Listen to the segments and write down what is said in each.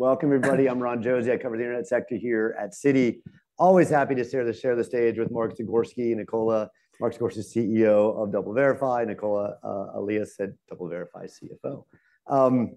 Welcome, everybody. I'm Ron Josey. I cover the internet sector here at Citi. Always happy to share the stage with Mark Zagorski, Nicola Allais. Mark Zagorski is CEO of DoubleVerify. Nicola Allais is DoubleVerify CFO.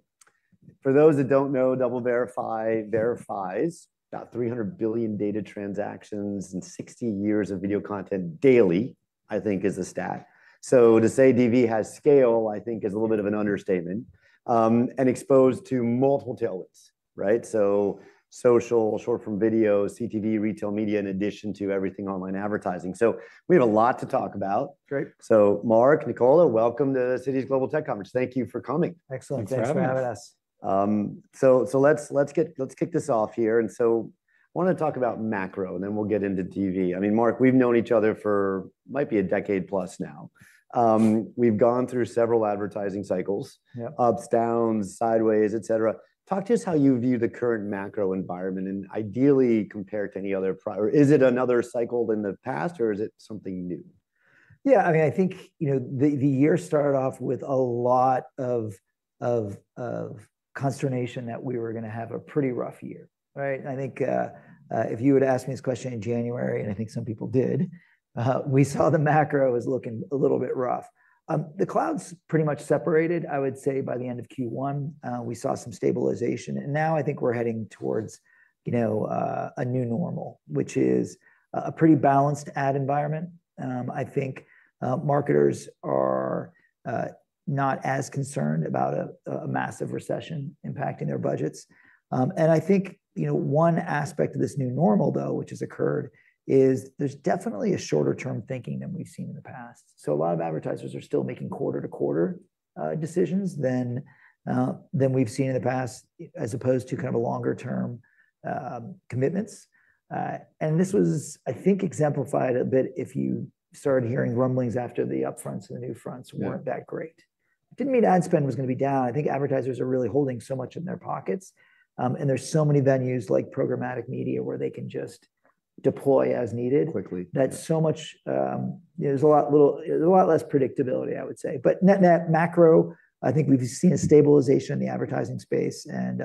For those that don't know, DoubleVerify verifies about 300 billion data transactions and 60 years of video content daily, I think is the stat. So to say DV has scale, I think is a little bit of an understatement. And exposed to multiple tailwinds, right? So social, short-form video, CTV, retail media, in addition to everything online advertising. So we have a lot to talk about. Great. Mark, Nicola, welcome to Citi's Global Tech Conference. Thank you for coming. Excellent. Thanks for having us. Thanks for having us. So let's kick this off here. So I wanna talk about macro, and then we'll get into DV. I mean, Mark, we've known each other for might be a decade-plus now. We've gone through several advertising cycles- Yeah. ups, downs, sideways, etc. Talk to us how you view the current macro environment, and ideally, compare it to any other prior or is it another cycle in the past, or is it something new? Yeah, I mean, I think, you know, the year started off with a lot of consternation that we were gonna have a pretty rough year, right? I think, if you had asked me this question in January, and I think some people did, we saw the macro as looking a little bit rough. The clouds pretty much separated, I would say, by the end of Q1. We saw some stabilization, and now I think we're heading towards, you know, a new normal, which is a pretty balanced ad environment. I think, marketers are not as concerned about a massive recession impacting their budgets. And I think, you know, one aspect of this new normal, though, which has occurred, is there's definitely a shorter-term thinking than we've seen in the past. So a lot of advertisers are still making quarter-to-quarter decisions than we've seen in the past, as opposed to kind of a longer-term commitments. This was, I think, exemplified a bit if you started hearing rumblings after the upfronts, and the NewFronts- Yeah -weren't that great. Didn't mean ad spend was gonna be down. I think advertisers are really holding so much in their pockets. And there's so many venues like programmatic media, where they can just deploy as needed- Quickly. -that so much. There's a lot less predictability, I would say. But net, net macro, I think we've seen a stabilization in the advertising space, and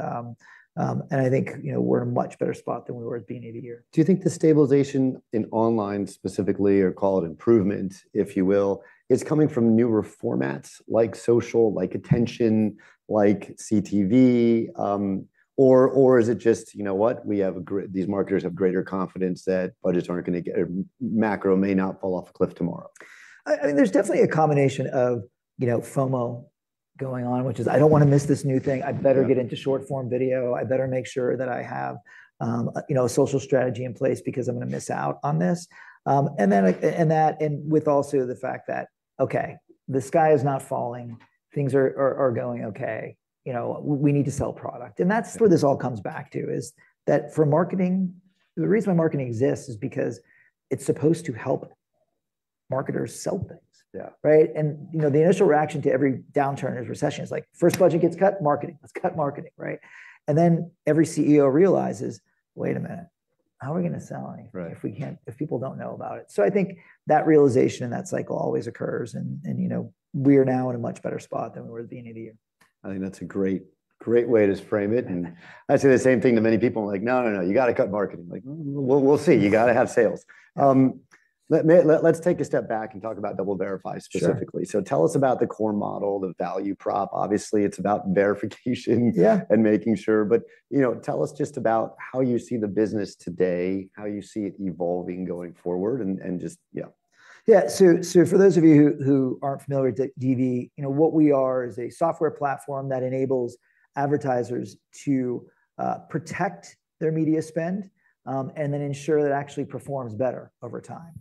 and I think, you know, we're in a much better spot than we were at the beginning of the year. Do you think the stabilization in online, specifically, or call it improvement, if you will, is coming from newer formats like social, like attention, like CTV? Or is it just, you know what? These marketers have greater confidence that budgets aren't gonna get, or macro may not fall off a cliff tomorrow. I mean, there's definitely a combination of, you know, FOMO going on, which is: I don't wanna miss this new thing. Yeah. I better get into short-form video. I better make sure that I have, you know, a social strategy in place because I'm gonna miss out on this. And also the fact that, okay, the sky is not falling. Things are going okay. You know, we need to sell product. Yeah. That's what this all comes back to, is that for marketing, the reason why marketing exists is because it's supposed to help marketers sell things. Yeah. Right? And, you know, the initial reaction to every downturn as a recession is like, first budget gets cut, marketing. Let's cut marketing, right? And then every CEO realizes, "Wait a minute, how are we gonna sell anything- Right if we can't... if people don't know about it?" So I think that realization and that cycle always occurs and, you know, we are now in a much better spot than we were at the beginning of the year. I think that's a great, great way to frame it, and- Thanks I say the same thing to many people. Like, "No, no, no, you gotta cut marketing." Like, "Well, we'll see. You gotta have sales." Let me, let's take a step back and talk about DoubleVerify specifically. Sure. Tell us about the core model, the value prop? Obviously, it's about verification. Yeah making sure, but you know, tell us just about how you see the business today, how you see it evolving going forward, and just, yeah. Yeah. So for those of you who aren't familiar with DV, you know, what we are is a software platform that enables advertisers to protect their media spend and then ensure that it actually performs better over time.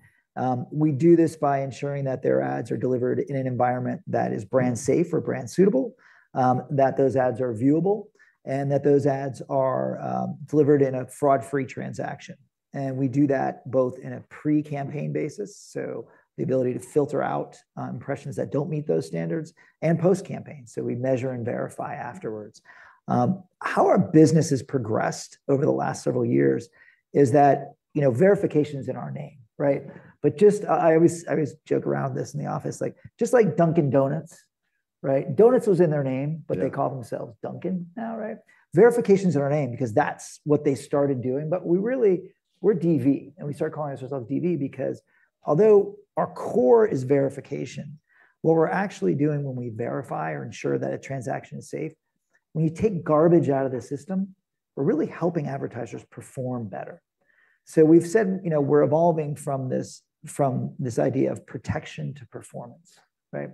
We do this by ensuring that their ads are delivered in an environment that is brand safe or brand suitable, that those ads are viewable, and that those ads are delivered in a fraud-free transaction. And we do that both in a pre-campaign basis, so the ability to filter out impressions that don't meet those standards, and post-campaign. So we measure and verify afterwards. How our business has progressed over the last several years is that, you know, verification is in our name, right? But just, I always joke around this in the office, like, just like Dunkin' Donuts, right? Donuts was in their name- Yeah But they call themselves Dunkin' now, right? Verification's in our name because that's what they started doing, but we really, we're DV, and we start calling ourselves DV because although our core is verification, what we're actually doing when we verify or ensure that a transaction is safe, when you take garbage out of the system, we're really helping advertisers perform better. So we've said, you know, we're evolving from this, from this idea of protection to performance, right?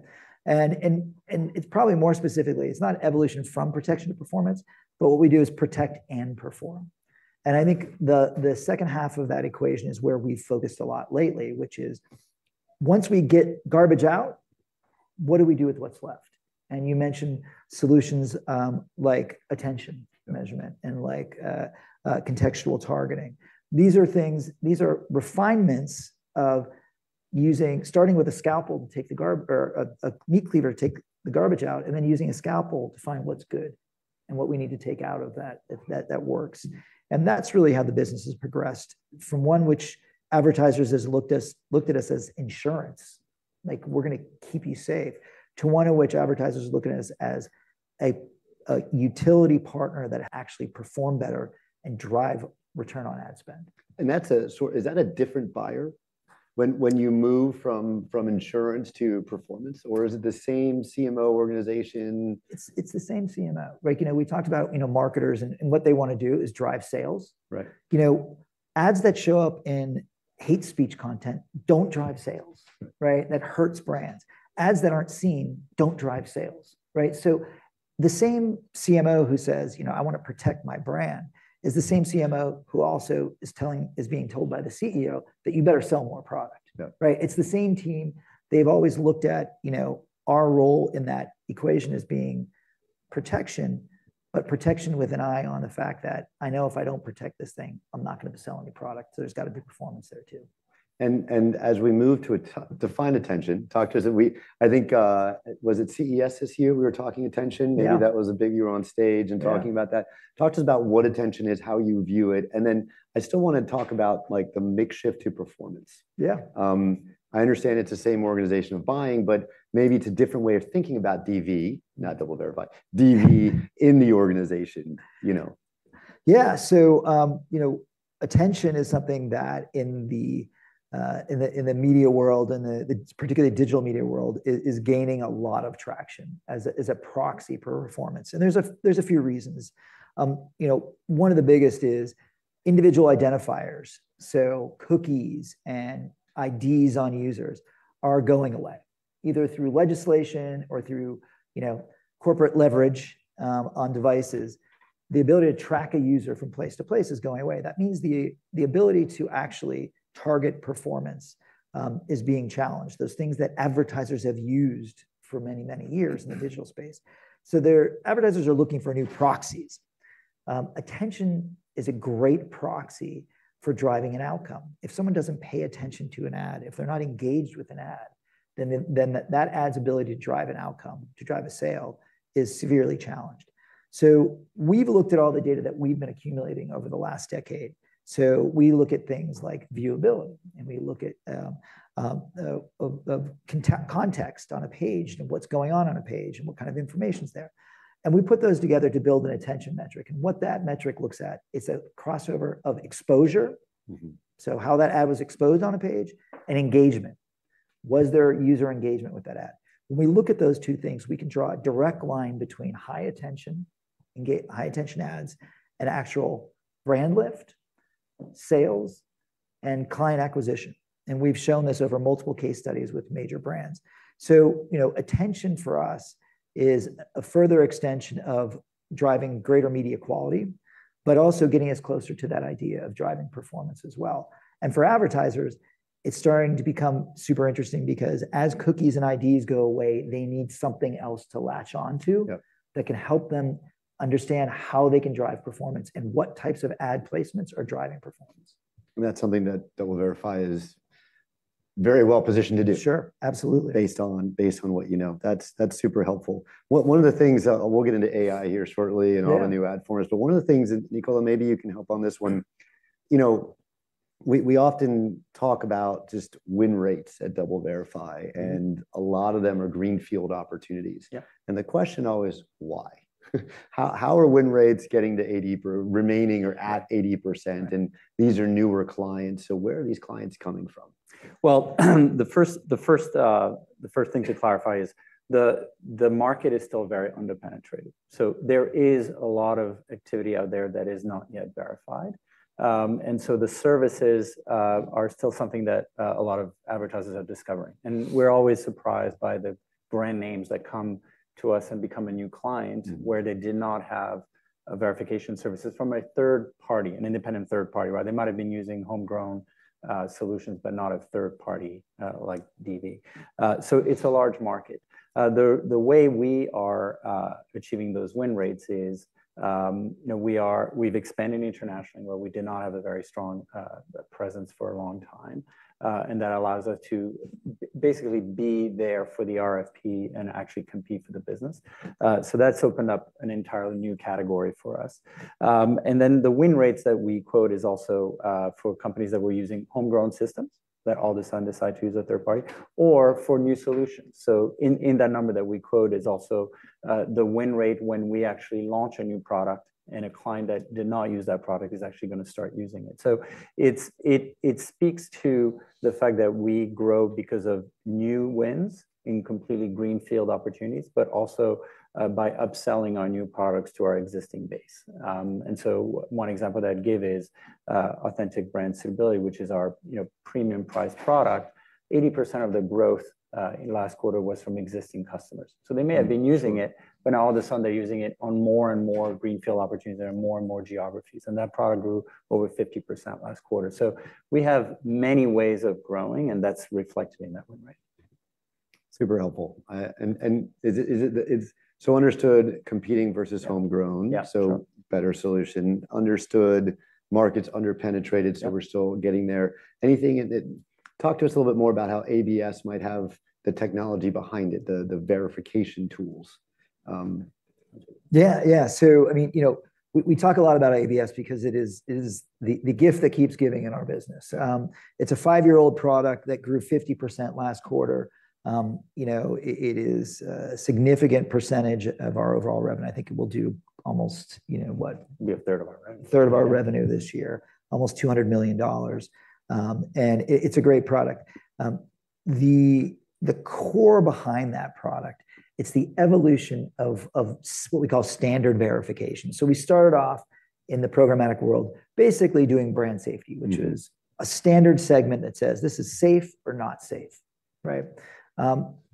And it's probably more specifically, it's not evolution from protection to performance, but what we do is protect and perform. And I think the second half of that equation is where we've focused a lot lately, which is, once we get garbage out, what do we do with what's left? And you mentioned solutions, like attention measurement and like, contextual targeting. These are refinements of using starting with a scalpel to take the garbage out, or a meat cleaver to take the garbage out, and then using a scalpel to find what's good and what we need to take out of that, if that works. And that's really how the business has progressed, from one which advertisers has looked at us as insurance like, we're gonna keep you safe, to one in which advertisers are looking at us as a utility partner that actually perform better and drive return on ad spend. Is that a different buyer when you move from insurance to performance, or is it the same CMO organization? It's the same CMO. Like, you know, we talked about, you know, marketers and what they wanna do is drive sales. Right. You know, ads that show up in hate speech content don't drive sales, right? That hurts brands. Ads that aren't seen don't drive sales, right? So the same CMO who says: "You know, I wanna protect my brand," is the same CMO who also is telling-- is being told by the CEO that: "You better sell more product. Yeah. Right? It's the same team. They've always looked at, you know, our role in that equation as being protection, but protection with an eye on the fact that I know if I don't protect this thing, I'm not gonna be selling any product, so there's gotta be performance there, too. And as we move to define attention, talk to us. We—I think, was it CES this year, we were talking attention? Yeah. Maybe that was a big... You were on stage- Yeah Talking about that. Talk to us about what attention is, how you view it, and then I still wanna talk about, like, the mix shift to performance. Yeah. I understand it's the same organization of buying, but maybe it's a different way of thinking about DV, not DoubleVerify, DV in the organization, you know? Yeah. So, you know, attention is something that in the, in the, in the media world, and the, the particularly digital media world, is, is gaining a lot of traction as a, as a proxy for performance, and there's a, there's a few reasons. You know, one of the biggest is individual identifiers. So cookies and IDs on users are going away, either through legislation or through, you know, corporate leverage on devices. The ability to track a user from place to place is going away. That means the, the ability to actually target performance is being challenged, those things that advertisers have used for many, many years in the digital space. Advertisers are looking for new proxies. Attention is a great proxy for driving an outcome. If someone doesn't pay attention to an ad, if they're not engaged with an ad, then that ad's ability to drive an outcome, to drive a sale, is severely challenged. So we've looked at all the data that we've been accumulating over the last decade. So we look at things like viewability, and we look at context on a page and what's going on on a page and what kind of information's there, and we put those together to build an attention metric. And what that metric looks at is a crossover of exposure- Mm-hmm... so how that ad was exposed on a page, and engagement. Was there user engagement with that ad? When we look at those two things, we can draw a direct line between high attention ads and actual brand lift, sales, and client acquisition, and we've shown this over multiple case studies with major brands. So, you know, attention for us is a further extension of driving greater media quality, but also getting us closer to that idea of driving performance as well. And for advertisers, it's starting to become super interesting because as cookies and IDs go away, they need something else to latch on to- Yeah... that can help them understand how they can drive performance and what types of ad placements are driving performance. That's something that DoubleVerify is very well positioned to do. Sure. Absolutely. Based on, based on what you know. That's, that's super helpful. One, one of the things, we'll get into AI here shortly. Yeah and all the new ad forms, but one of the things that, Nicola, maybe you can help on this one, you know, we often talk about just win rates at DoubleVerify, and a lot of them are greenfield opportunities. Yeah. The question, though, is, why? How, how are win rates getting to 80 per- remaining or at 80%? Right. These are newer clients, so where are these clients coming from? Well, the first thing to clarify is the market is still very under-penetrated. So there is a lot of activity out there that is not yet verified. And so the services are still something that a lot of advertisers are discovering. And we're always surprised by the brand names that come to us and become a new client- Mm-hmm... where they did not have a verification services from a third party, an independent third party, right? They might have been using homegrown solutions, but not a third party like DV. So it's a large market. The way we are achieving those win rates is, you know, we've expanded internationally, where we did not have a very strong presence for a long time. And that allows us to basically be there for the RFP and actually compete for the business. So that's opened up an entirely new category for us. And then the win rates that we quote is also for companies that were using homegrown systems, that all of a sudden decide to use a third party, or for new solutions. So in that number that we quote is also the win rate when we actually launch a new product, and a client that did not use that product is actually gonna start using it. So it speaks to the fact that we grow because of new wins in completely greenfield opportunities, but also by upselling our new products to our existing base. So one example that I'd give is Authentic Brand Suitability, which is our, you know, premium-priced product. 80% of the growth in last quarter was from existing customers. Mm. So they may have been using it, but now all of a sudden, they're using it on more and more greenfield opportunities and more and more geographies, and that product grew over 50% last quarter. So we have many ways of growing, and that's reflected in that win rate. Super helpful. And, is it so understood competing versus homegrown- Yeah, sure. so better solution. Understood markets underpenetrated. Yeah... so we're still getting there. Anything that... Talk to us a little bit more about how ABS might have the technology behind it, the, the verification tools. ... Yeah, yeah. So, I mean, you know, we talk a lot about ABS because it is the gift that keeps giving in our business. It's a five-year-old product that grew 50% last quarter. You know, it is a significant percentage of our overall revenue. I think it will do almost, you know, what? We have a third of our revenue. A third of our revenue this year, almost $200 million. And it, it's a great product. The core behind that product, it's the evolution of what we call standard verification. So we started off in the programmatic world, basically doing brand safety- Mm. which is a standard segment that says, "This is safe or not safe," right?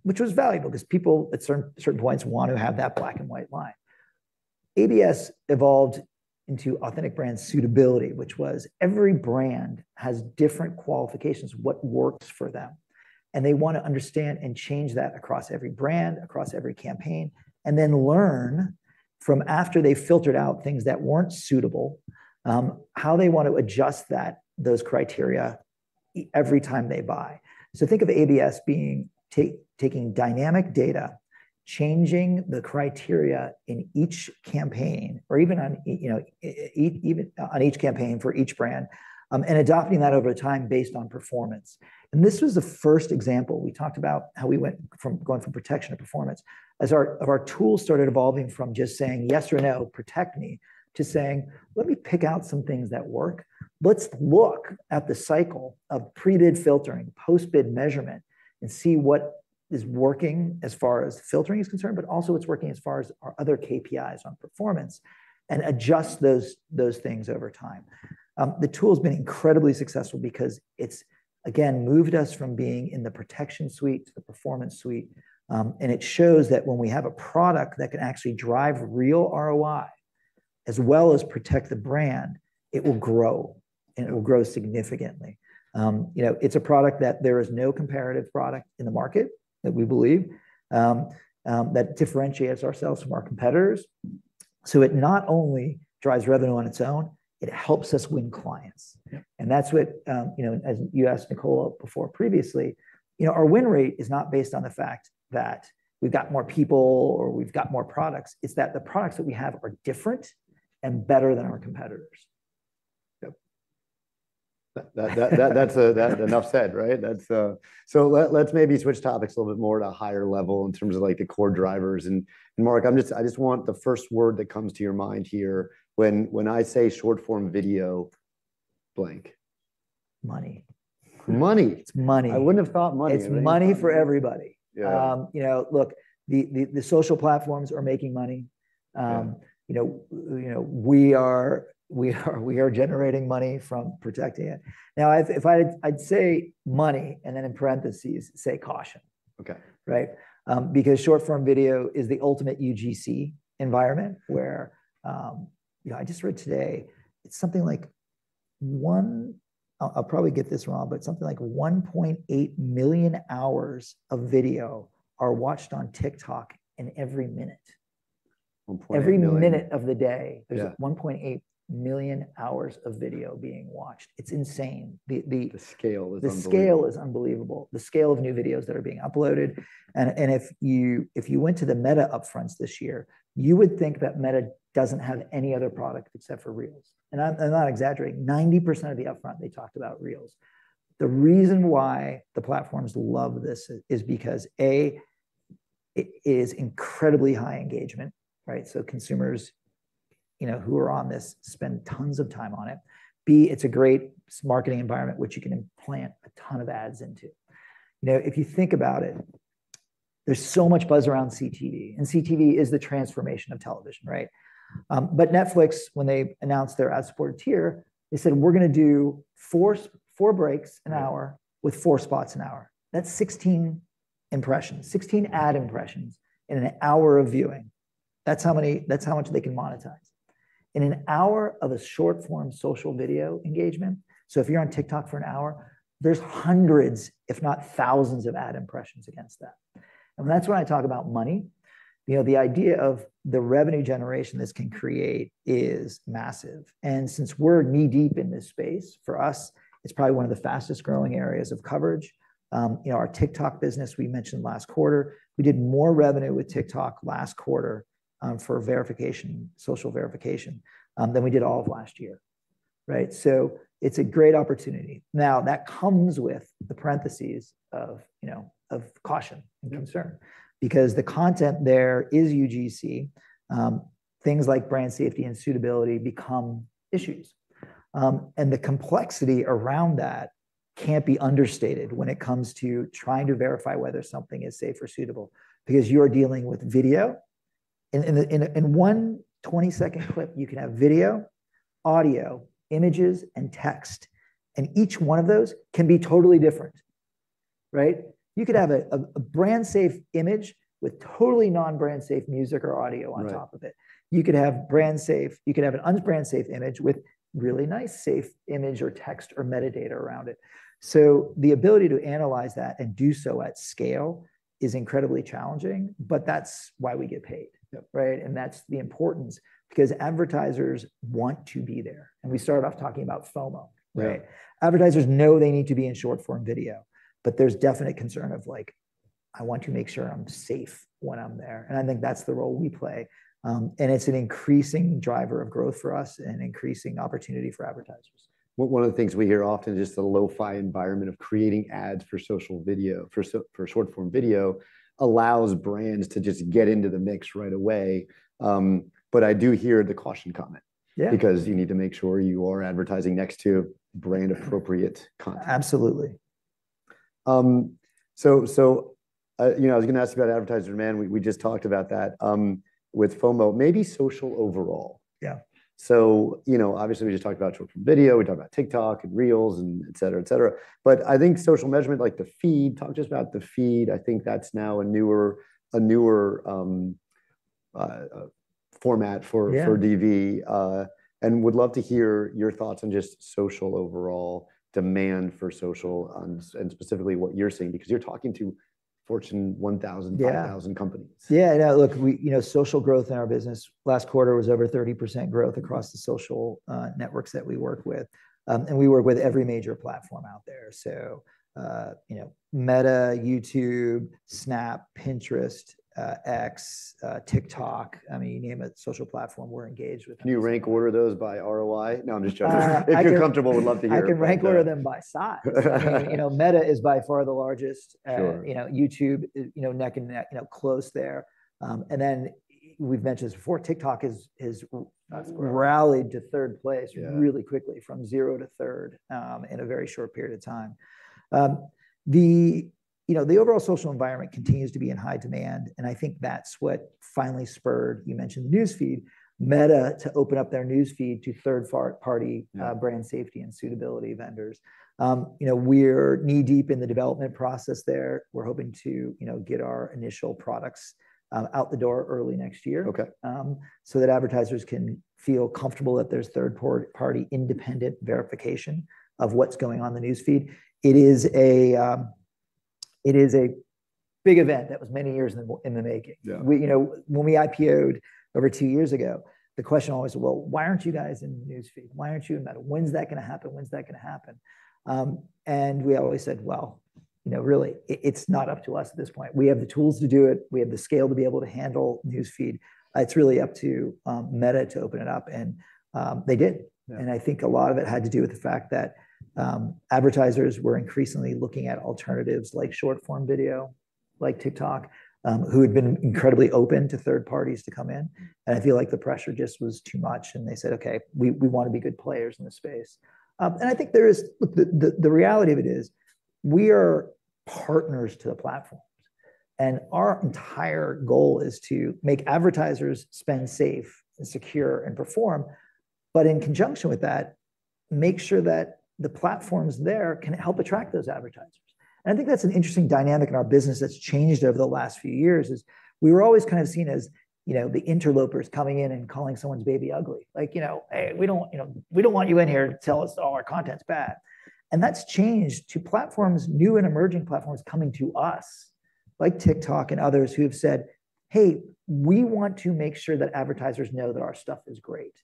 Which was valuable because people at certain points want to have that black-and-white line. ABS evolved into Authentic Brand Suitability, which was every brand has different qualifications, what works for them, and they want to understand and change that across every brand, across every campaign, and then learn from after they've filtered out things that weren't suitable, how they want to adjust that, those criteria, every time they buy. So think of ABS being taking dynamic data, changing the criteria in each campaign, or even on you know, even on each campaign for each brand, and adopting that over time based on performance. And this was the first example. We talked about how we went from protection to performance as our tools started evolving from just saying, "Yes or no, protect me," to saying, "Let me pick out some things that work. Let's look at the cycle of pre-bid filtering, post-bid measurement, and see what is working as far as filtering is concerned, but also what's working as far as our other KPIs on performance, and adjust those things over time." The tool's been incredibly successful because it's, again, moved us from being in the protection suite to the performance suite. And it shows that when we have a product that can actually drive real ROI as well as protect the brand, it will grow, and it will grow significantly. you know, it's a product that there is no comparative product in the market that we believe, that differentiates ourselves from our competitors. So it not only drives revenue on its own, it helps us win clients. Yeah. That's what, you know, as you asked Nicola before previously, you know, our win rate is not based on the fact that we've got more people or we've got more products. It's that the products that we have are different and better than our competitors. Yep. That's enough said, right? That's... So let's maybe switch topics a little bit more to a higher level in terms of, like, the core drivers. And Mark, I just want the first word that comes to your mind here when I say short-form video, blank. Money. Money! It's money. I wouldn't have thought money. It's money for everybody. Yeah. You know, look, the social platforms are making money. Yeah. You know, we are generating money from protecting it. Now, if I, I'd say money, and then in parentheses, say caution. Okay. Right? Because short-form video is the ultimate UGC environment where... You know, I just read today it's something like—I'll probably get this wrong, but something like 1.8 million hours of video are watched on TikTok in every minute. 1.8 million- Every minute of the day- Yeah... there's 1.8 million hours of video being watched. It's insane. The scale is unbelievable. The scale is unbelievable. The scale of new videos that are being uploaded. If you went to the Meta upfront this year, you would think that Meta doesn't have any other product except for Reels. I'm not exaggerating. 90% of the upfront, they talked about Reels. The reason why the platforms love this is because, A, it is incredibly high engagement, right? So consumers, you know, who are on this spend tons of time on it. B, it's a great marketing environment, which you can implant a ton of ads into. You know, if you think about it, there's so much buzz around CTV, and CTV is the transformation of television, right? But Netflix, when they announced their ad-supported tier, they said: "We're gonna do four breaks an hour with four spots an hour." That's 16 impressions, 16 ad impressions in an hour of viewing. That's how much they can monetize. In an hour of a short-form social video engagement, so if you're on TikTok for an hour, there's hundreds, if not thousands, of ad impressions against that. And that's why I talk about money. You know, the idea of the revenue generation this can create is massive, and since we're knee-deep in this space, for us, it's probably one of the fastest-growing areas of coverage. You know, our TikTok business, we mentioned last quarter, we did more revenue with TikTok last quarter, for verification, social verification, than we did all of last year, right? So it's a great opportunity. Now, that comes with the parentheses of, you know, of caution- Mm... and concern, because the content there is UGC. Things like brand safety and suitability become issues. And the complexity around that can't be understated when it comes to trying to verify whether something is safe or suitable, because you are dealing with video. In a 20-second clip, you can have video, audio, images, and text, and each one of those can be totally different, right? You could have a brand safe image with totally non-brand safe music or audio on- Right... top of it. You could have brand safe, you could have an unbrand safe image with really nice, safe image or text or metadata around it. So the ability to analyze that and do so at scale is incredibly challenging, but that's why we get paid. Yep. Right? And that's the importance, because advertisers want to be there. And we started off talking about FOMO, right? Yeah. Advertisers know they need to be in short-form video, but there's definite concern of, like, I want to make sure I'm safe when I'm there. And I think that's the role we play. And it's an increasing driver of growth for us and increasing opportunity for advertisers. One of the things we hear often is just the lo-fi environment of creating ads for social video, for short-form video, allows brands to just get into the mix right away. But I do hear the caution comment. Yeah. Because you need to make sure you are advertising next to brand-appropriate content. Absolutely. So, you know, I was gonna ask about advertiser demand. We just talked about that with FOMO. Maybe social overall. Yeah. So, you know, obviously, we just talked about short-form video. We talked about TikTok and Reels and et cetera, et cetera. But I think social measurement, like the feed, talk just about the feed, I think that's now a newer format for- Yeah -for DV. And would love to hear your thoughts on just social overall demand for social and, and specifically what you're seeing, because you're talking to Fortune 1,000- Yeah... 5,000 companies. Yeah. Yeah, look, we, you know, social growth in our business last quarter was over 30% growth across the social networks that we work with. We work with every major platform out there. So, you know, Meta, YouTube, Snap, Pinterest, X, TikTok. I mean, you name a social platform, we're engaged with them. Can you rank order those by ROI? No, I'm just joking. I can- If you're comfortable, would love to hear. I can rank order them by size. I mean, you know, Meta is by far the largest. Sure. You know, YouTube is, you know, neck and neck, you know, close there. And then we've mentioned this before, TikTok has, has- That's grown... rallied to third place- Yeah Really quickly, from zero to third, in a very short period of time. You know, the overall social environment continues to be in high demand, and I think that's what finally spurred—you mentioned News Feed—Meta to open up their News Feed to third party- Yeah... brand safety and suitability vendors. You know, we're knee-deep in the development process there. We're hoping to, you know, get our initial products out the door early next year- Okay... so that advertisers can feel comfortable that there's third-party independent verification of what's going on in the News Feed. It is a big event that was many years in the making. Yeah. We, you know, when we IPO'd over two years ago, the question always: "Well, why aren't you guys in the News Feed? Why aren't you in Meta? When's that gonna happen? When's that gonna happen?" And we always said, "Well, you know, really, it's not up to us at this point. We have the tools to do it. We have the scale to be able to handle News Feed. It's really up to Meta to open it up," and they did. Yeah. I think a lot of it had to do with the fact that, advertisers were increasingly looking at alternatives like short-form video, like TikTok, who had been incredibly open to third parties to come in. And I feel like the pressure just was too much, and they said, "Okay, we wanna be good players in this space." And I think the reality of it is, we are partners to the platforms, and our entire goal is to make advertisers spend safe and secure and perform, but in conjunction with that, make sure that the platforms there can help attract those advertisers. And I think that's an interesting dynamic in our business that's changed over the last few years, is we were always kind of seen as, you know, the interlopers coming in and calling someone's baby ugly. Like, you know, "Hey, we don't, you know, we don't want you in here to tell us all our content's bad." And that's changed to platforms, new and emerging platforms, coming to us, like TikTok and others, who have said, "Hey, we want to make sure that advertisers know that our stuff is great,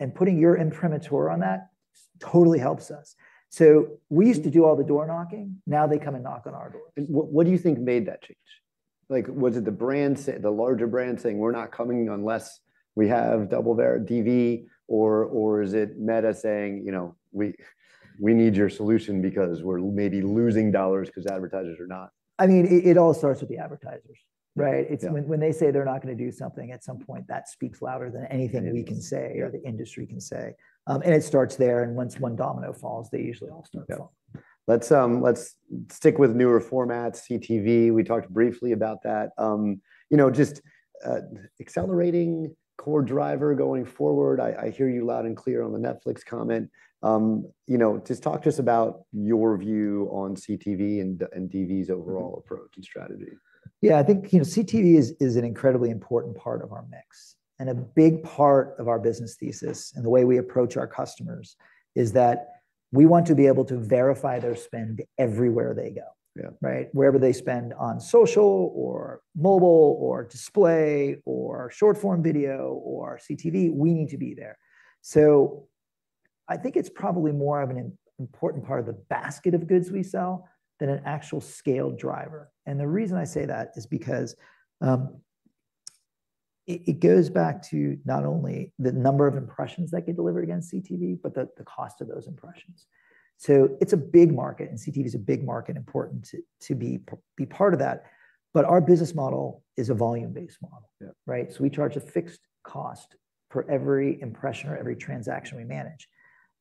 and putting your imprimatur on that totally helps us." So we used to do all the door knocking. Now they come and knock on our doors. What, what do you think made that change? Like, was it the larger brand saying, "We're not coming unless we have DoubleVerify - DV," or, or is it Meta saying, "You know, we, we need your solution because we're maybe losing dollars 'cause advertisers are not... I mean, it all starts with the advertisers, right? Yeah. It's when they say they're not gonna do something at some point, that speaks louder than anything. It does... we can say or the industry can say. And it starts there, and once one domino falls, they usually all start to fall. Yeah. Let's, let's stick with newer formats. CTV, we talked briefly about that. You know, just, accelerating core driver going forward, I hear you loud and clear on the Netflix comment. You know, just talk to us about your view on CTV and DV's overall approach and strategy. Yeah, I think, you know, CTV is an incredibly important part of our mix and a big part of our business thesis. The way we approach our customers is that we want to be able to verify their spend everywhere they go. Yeah. Right? Wherever they spend on social or mobile or display or short-form video or CTV, we need to be there. So I think it's probably more of an important part of the basket of goods we sell than an actual scale driver. And the reason I say that is because it goes back to not only the number of impressions that get delivered against CTV, but the cost of those impressions. So it's a big market, and CTV is a big market, important to be part of that, but our business model is a volume-based model. Yeah. Right? So we charge a fixed cost for every impression or every transaction we manage,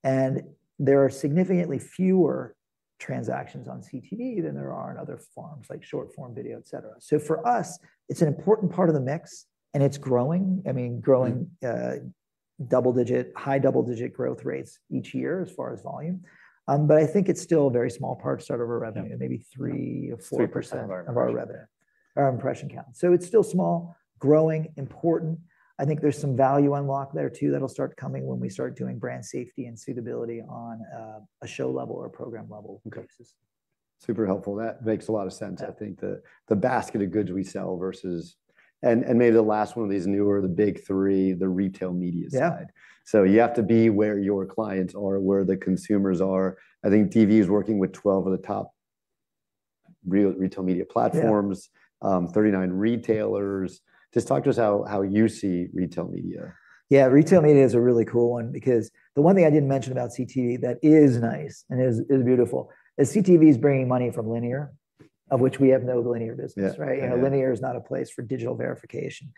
and there are significantly fewer transactions on CTV than there are in other forms, like short-form video, et cetera. So for us, it's an important part of the mix, and it's growing, I mean, growing- Mm... double-digit, high double-digit growth rates each year as far as volume. But I think it's still a very small part, sort of our revenue- Yeah... maybe 3 or 4%- 3% of our revenue... of our revenue or impression count. So it's still small, growing, important. I think there's some value unlocked there, too, that'll start coming when we start doing brand safety and suitability on a show level or program level basis. Okay. Super helpful. That makes a lot of sense. Yeah. I think the basket of goods we sell versus and maybe the last one of these newer, the big three, the retail media side. Yeah. So you have to be where your clients are, where the consumers are. I think DV is working with 12 of the top retail media platforms. Yeah... 39 retailers. Just talk to us how, how you see retail media. Yeah, retail media is a really cool one, because the one thing I didn't mention about CTV that is nice and beautiful is CTV is bringing money from linear, of which we have no linear business, right? Yeah, I know. You know, linear is not a place for digital verification.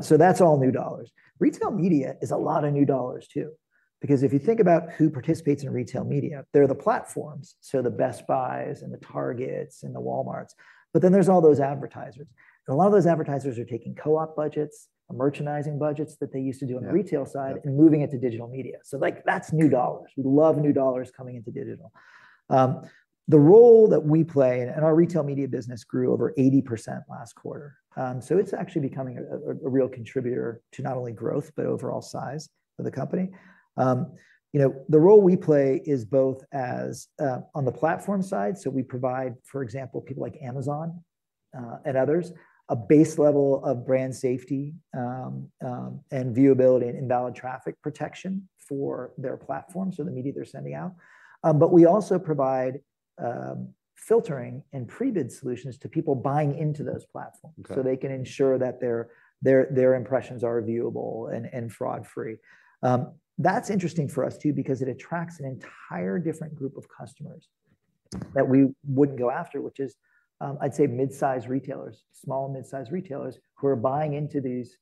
So that's all new dollars. Retail media is a lot of new dollars, too, because if you think about who participates in retail media, they're the platforms, so the Best Buys and the Targets and the Walmarts, but then there's all those advertisers. And a lot of those advertisers are taking co-op budgets or merchandising budgets that they used to do- Yeah... on the retail side and moving it to digital media. So, like, that's new dollars. We love new dollars coming into digital. The role that we play, and our retail media business grew over 80% last quarter. So it's actually becoming a real contributor to not only growth, but overall size of the company. You know, the role we play is both as, on the platform side, so we provide, for example, people like Amazon, and others, a base level of brand safety, and viewability and invalid traffic protection for their platform, so the media they're sending out. But we also provide, filtering and pre-bid solutions to people buying into those platforms- Okay... so they can ensure that their impressions are viewable and fraud-free. That's interesting for us, too, because it attracts an entire different group of customers that we wouldn't go after, which is, I'd say midsize retailers, small and midsize retailers, who are buying into these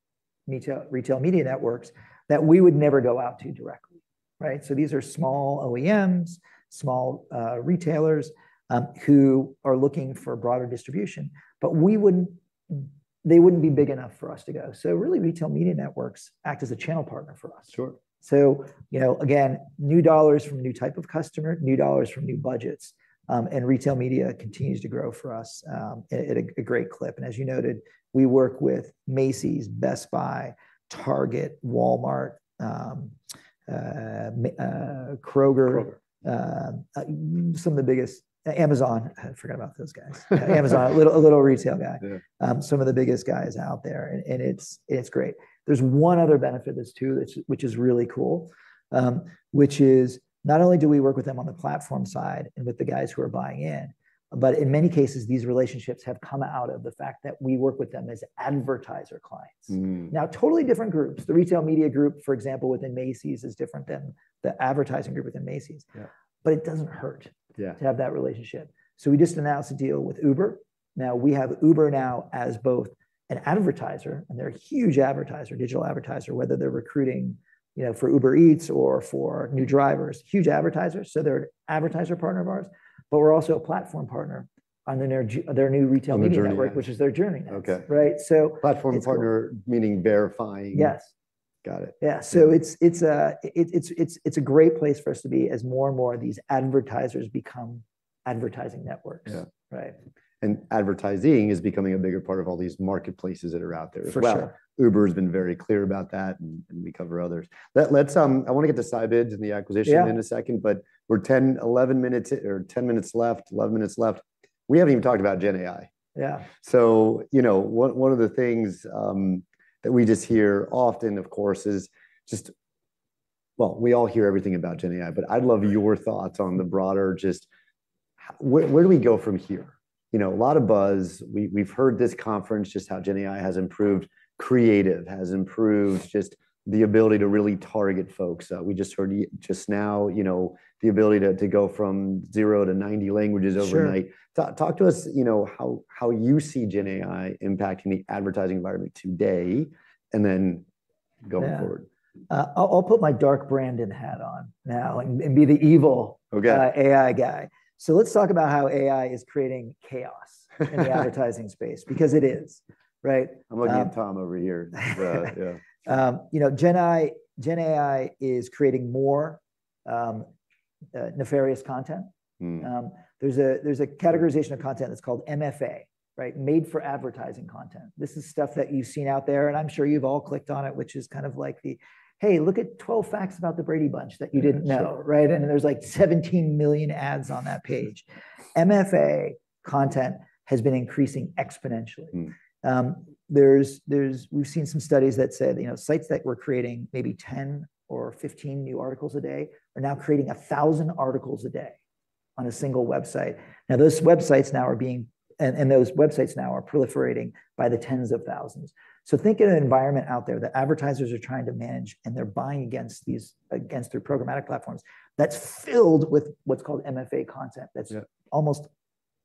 Meta retail media networks that we would never go out to directly, right? So these are small OEMs, small retailers, who are looking for broader distribution, but we wouldn't. They wouldn't be big enough for us to go. So really, retail media networks act as a channel partner for us. Sure. So, you know, again, new dollars from a new type of customer, new dollars from new budgets, and retail media continues to grow for us at a great clip. And as you noted, we work with Macy's, Best Buy, Target, Walmart, Kroger. Kroger ... some of the biggest, Amazon. I forgot about those guys. Amazon, a little retail guy. Yeah. Some of the biggest guys out there, and it's great. There's one other benefit to this, too, which is really cool, which is not only do we work with them on the platform side and with the guys who are buying in, but in many cases, these relationships have come out of the fact that we work with them as advertiser clients. Mm. Now, totally different groups. The retail media group, for example, within Macy's, is different than the advertising group within Macy's. Yeah. It doesn't hurt- Yeah... to have that relationship. So we just announced a deal with Uber. Now, we have Uber now as both an advertiser, and they're a huge advertiser, digital advertiser, whether they're recruiting, you know, for Uber Eats or for new drivers. Huge advertisers, so they're an advertiser partner of ours, but we're also a platform partner on their new retail media network- On their journey.... which is their journey now. Okay. Right, so- Platform partner- It's cool... meaning verifying? Yes. Got it. Yeah, so it's a great place for us to be as more and more of these advertisers become advertising networks. Yeah. Right. Advertising is becoming a bigger part of all these marketplaces that are out there as well. For sure. Uber's been very clear about that, and we cover others. Let's, I wanna get to Scibids and the acquisition- Yeah... in a second, but we're 10, 11 minutes or 10 minutes left, 11 minutes left. We haven't even talked about GenAI. Yeah. So, you know, one of the things that we just hear often, of course, is just... Well, we all hear everything about GenAI, but I'd love your thoughts on the broader just how, where, where do we go from here? You know, a lot of buzz. We've heard this conference just how GenAI has improved creative, has improved just the ability to really target folks. We just heard just now, you know, the ability to, to go from 0 to 90 languages overnight. Sure. Talk to us, you know, how you see GenAI impacting the advertising environment today, and then going forward? Yeah. I'll put my Dark Brandon hat on now and be the evil- Okay... AI guy. So let's talk about how AI is creating chaos in the advertising space, because it is, right? I'm looking at Tom over here. Yeah. You know, GenAI, GenAI is creating more nefarious content. Mm. There's a categorization of content that's called MFA, right? Made for Advertising content. This is stuff that you've seen out there, and I'm sure you've all clicked on it, which is kind of like the, "Hey, look at 12 facts about The Brady Bunch that you didn't know," right? Sure. There's, like, 17 million ads on that page. MFA content has been increasing exponentially. Mm. There's, we've seen some studies that said, you know, sites that were creating maybe 10 or 15 new articles a day are now creating 1,000 articles a day on a single website. Now, those websites now are proliferating by the tens of thousands. So think of an environment out there that advertisers are trying to manage, and they're buying against their programmatic platforms, that's filled with what's called MFA content. Yeah... that's almost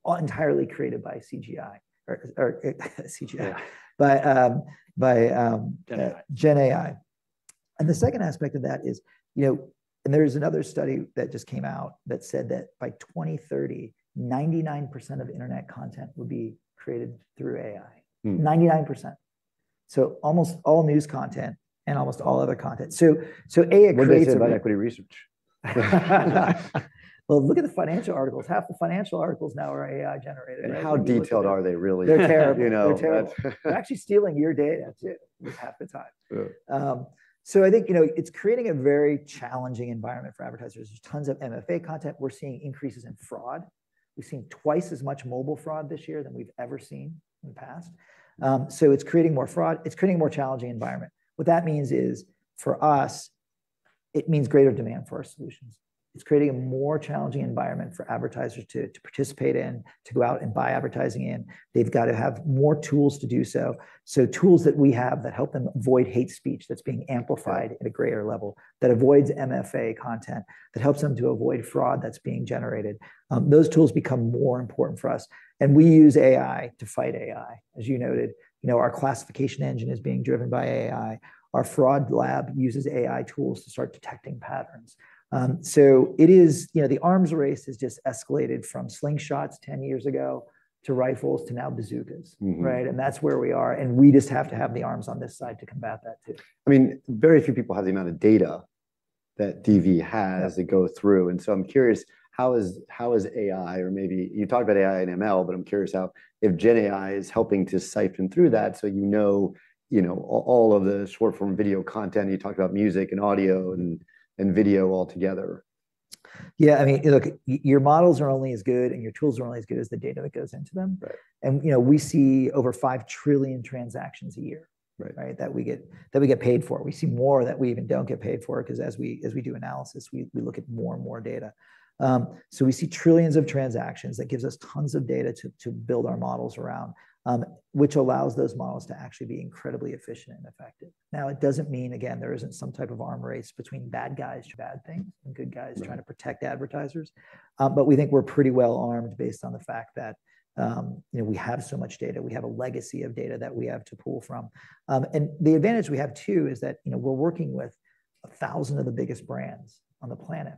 entirely created by CGI. Yeah... by- GenAI... GenAI. And the second aspect of that is, you know, and there's another study that just came out that said that by 2030, 99% of internet content will be created through AI. Mm. 99%, so almost all news content and almost all other content. So, so AI creates- What does it say about equity research? Well, look at the financial articles. Half the financial articles now are AI-generated. How detailed are they, really? They're terrible. You know? They're terrible. They're actually stealing your data, too, half the time. Yeah. So I think, you know, it's creating a very challenging environment for advertisers. There's tons of MFA content. We're seeing increases in fraud. We've seen twice as much mobile fraud this year than we've ever seen in the past. So it's creating more fraud. It's creating a more challenging environment. What that means is, for us, it means greater demand for our solutions. It's creating a more challenging environment for advertisers to, to participate in, to go out and buy advertising in. They've got to have more tools to do so. So tools that we have that help them avoid hate speech that's being amplified at a greater level, that avoids MFA content, that helps them to avoid fraud that's being generated, those tools become more important for us, and we use AI to fight AI, as you noted. You know, our classification engine is being driven by AI. Our fraud lab uses AI tools to start detecting patterns. So it is, you know, the arms race has just escalated from slingshots ten years ago to rifles, to now bazookas. Mm-hmm. Right? And that's where we are, and we just have to have the arms on this side to combat that, too. I mean, very few people have the amount of data that DV has- Yeah to go through, and so I'm curious, how is, how is AI or maybe, you talked about AI and ML, but I'm curious how, if GenAI is helping to sift through that, so you know, you know, all of the short-form video content, you talked about music and audio, and, and video all together? Yeah, I mean, look, your models are only as good, and your tools are only as good as the data that goes into them. Right. You know, we see over 5 trillion transactions a year- Right Right, that we get, that we get paid for. We see more that we even don't get paid for, because as we do analysis, we look at more and more data. So we see trillions of transactions. That gives us tons of data to build our models around, which allows those models to actually be incredibly efficient and effective. Now, it doesn't mean, again, there isn't some type of arms race between bad guys doing bad things, and good guys- Right Trying to protect advertisers. But we think we're pretty well armed, based on the fact that, you know, we have so much data. We have a legacy of data that we have to pull from. The advantage we have, too, is that, you know, we're working with 1,000 of the biggest brands on the planet,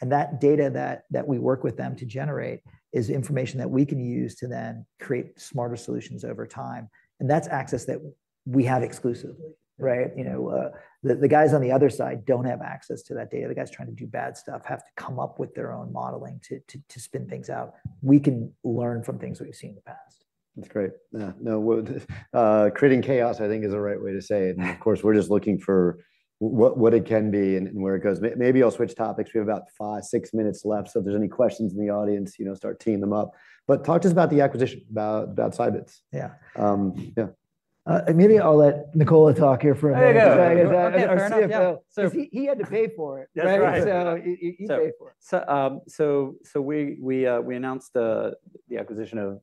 and that data that we work with them to generate is information that we can use to then create smarter solutions over time, and that's access that we have exclusively, right? You know, the guys on the other side don't have access to that data. The guys trying to do bad stuff have to come up with their own modeling to spin things out. We can learn from things we've seen in the past. That's great. Yeah. No, well, creating chaos, I think, is the right way to say it. Yeah. And of course, we're just looking for what it can be and where it goes. Maybe I'll switch topics. We have about five, six minutes left, so if there's any questions in the audience, you know, start teeing them up. But talk to us about the acquisition about Scibids. Yeah. Um, yeah. Maybe I'll let Nicola talk here for a second- There you go! as our CFO. Fair enough. He had to pay for it. That's right. So he paid for it. So we announced the acquisition of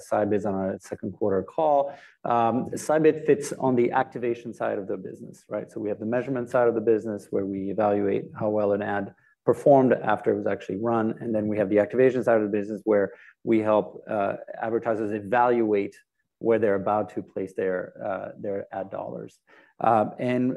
Scibids on our second quarter call. Scibids fits on the activation side of the business, right? So we have the measurement side of the business, where we evaluate how well an ad performed after it was actually run, and then we have the activation side of the business, where we help advertisers evaluate where they're about to place their ad dollars. And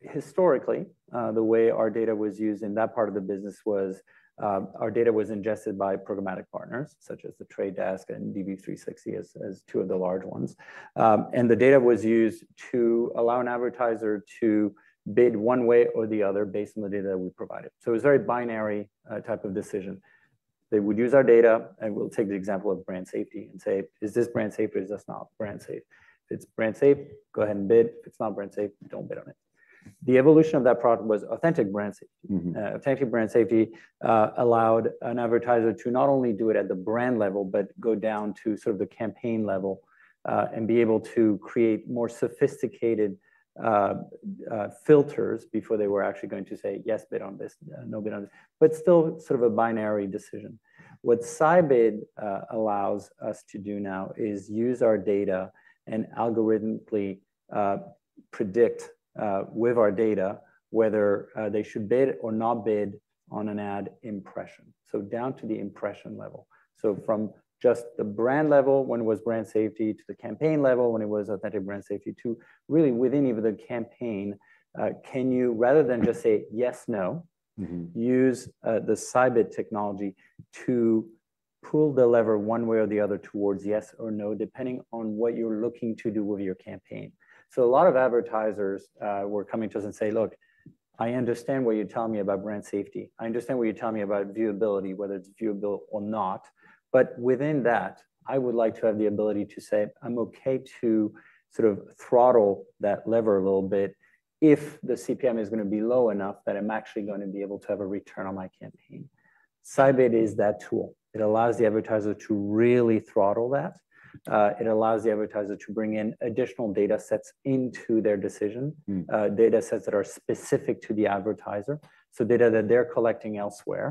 historically, the way our data was used in that part of the business was, our data was ingested by programmatic partners, such as The Trade Desk and DV360, as two of the large ones. And the data was used to allow an advertiser to bid one way or the other, based on the data that we provided. It was a very binary type of decision. They would use our data, and we'll take the example of brand safety and say: "Is this brand safe, or is this not brand safe? If it's brand safe, go ahead and bid. If it's not brand safe, don't bid on it." The evolution of that product was Authentic Brand Suitability. Mm-hmm. Authentic Brand Safety allowed an advertiser to not only do it at the brand level but go down to sort of the campaign level and be able to create more sophisticated filters before they were actually going to say, "Yes, bid on this," "No, bid on this," but still sort of a binary decision. What Scibids allows us to do now is use our data and algorithmically predict with our data whether they should bid or not bid on an ad impression, so down to the impression level. So from just the brand level, when it was brand safety, to the campaign level, when it was Authentic Brand Safety, to really within even the campaign, rather than just say yes, no- Mm-hmm... use the Scibids technology to pull the lever one way or the other towards yes or no, depending on what you're looking to do with your campaign. So a lot of advertisers were coming to us and say: "Look, I understand what you're telling me about brand safety. I understand what you're telling me about viewability, whether it's viewable or not, but within that, I would like to have the ability to say I'm okay to sort of throttle that lever a little bit if the CPM is gonna be low enough that I'm actually gonna be able to have a return on my campaign." Scibids is that tool. It allows the advertiser to really throttle that. It allows the advertiser to bring in additional data sets into their decision- Mm. Data sets that are specific to the advertiser, so data that they're collecting elsewhere,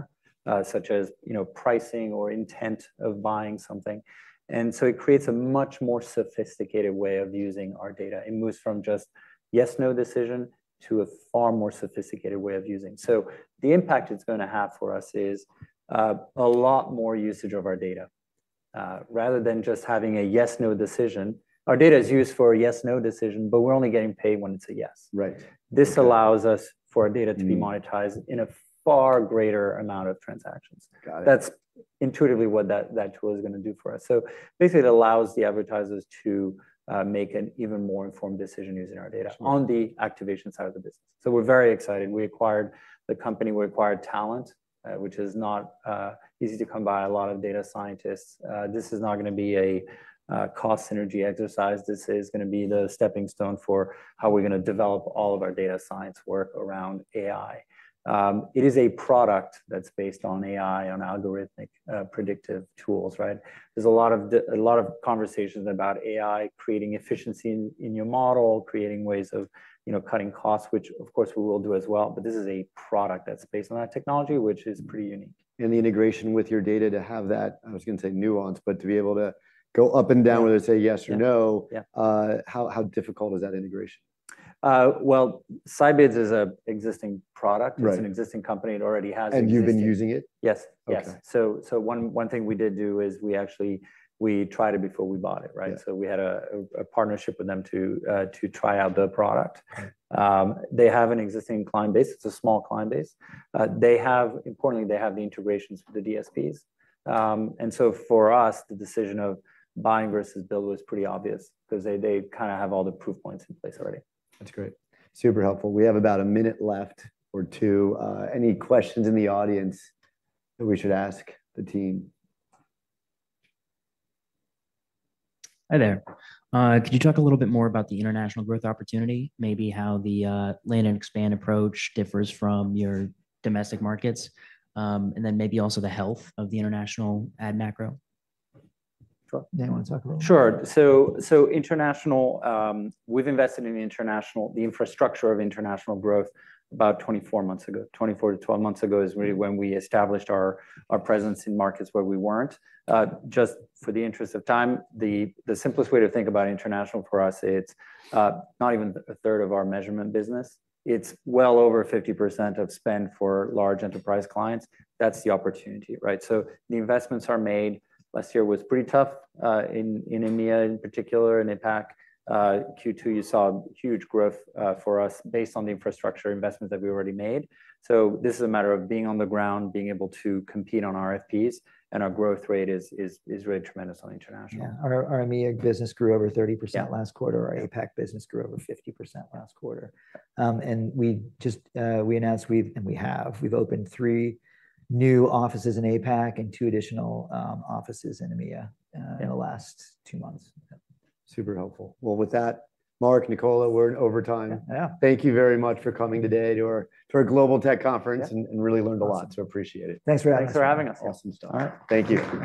such as, you know, pricing or intent of buying something. And so it creates a much more sophisticated way of using our data. It moves from just yes, no decision, to a far more sophisticated way of using. So the impact it's gonna have for us is, a lot more usage of our data. Rather than just having a yes, no decision, our data is used for a yes, no decision, but we're only getting paid when it's a yes. Right. This allows us for our data to be monetized- Mm... in a far greater amount of transactions. Got it. That's intuitively what that tool is gonna do for us. So basically, it allows the advertisers to make an even more informed decision using our data- Sure on the activation side of the business. So we're very excited. We acquired the company. We acquired talent, which is not easy to come by, a lot of data scientists. This is not gonna be a cost synergy exercise. This is gonna be the stepping stone for how we're gonna develop all of our data science work around AI. It is a product that's based on AI, on algorithmic predictive tools, right? There's a lot of conversations about AI creating efficiency in your model, creating ways of, you know, cutting costs, which of course we will do as well. But this is a product that's based on that technology, which is pretty unique. The integration with your data to have that, I was gonna say nuance, but to be able to go up and down- Yeah whether to say yes or no Yeah, yeah... how difficult is that integration? ... Well, Scibids is an existing product. Right. It's an existing company. It already has- You've been using it? Yes. Yes. Okay. So one thing we did do is we actually tried it before we bought it, right? Yeah. So we had a partnership with them to try out the product. They have an existing client base. It's a small client base. Importantly, they have the integrations with the DSPs. And so for us, the decision of buying versus build was pretty obvious because they kind of have all the proof points in place already. That's great. Super helpful. We have about a minute left or two. Any questions in the audience that we should ask the team? Hi there. Could you talk a little bit more about the international growth opportunity, maybe how the land and expand approach differs from your domestic markets? And then maybe also the health of the international ad macro. Do you want to talk about- Sure. So international, we've invested in the infrastructure of international growth about 24 months ago. Twenty-four to 12 months ago is really when we established our presence in markets where we weren't. Just for the interest of time, the simplest way to think about international, for us, it's not even a third of our measurement business. It's well over 50% of spend for large enterprise clients. That's the opportunity, right? So the investments are made. Last year was pretty tough in EMEA in particular, and APAC. Q2, you saw huge growth for us based on the infrastructure investment that we already made. So this is a matter of being on the ground, being able to compete on RFPs, and our growth rate is really tremendous on international. Yeah. Our EMEA business grew over 30%- Yeah. Last quarter. Our APAC business grew over 50% last quarter. And we just announced we have opened three new offices in APAC and two additional offices in EMEA in the last two months. Yeah. Super helpful. Well, with that, Mark, Nicola, we're in overtime. Yeah. Thank you very much for coming today to our global tech conference. Yeah. And really learned a lot, so appreciate it. Thanks for having us. Thanks for having us. Awesome stuff. All right. Thank you.